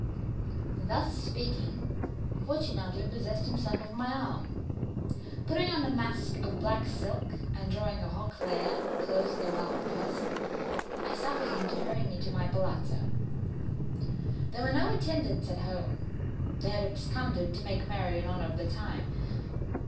Thus speaking, Fortunato possessed himself of my arm. Putting on a mask of black silk, and drawing a roquelaire closely about my person, I suffered him to hurry me to my palazzo. There were no attendants at home; they had absconded to make merry in honour of the time.